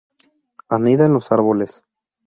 Anida en los árboles.